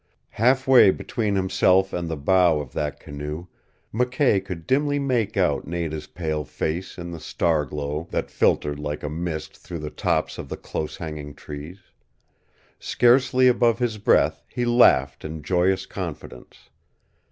Half way between himself and the bow of that canoe McKay could dimly make out Nada's pale face in the star glow that filtered like a mist through the tops of the close hanging trees. Scarcely above his breath he laughed in joyous confidence.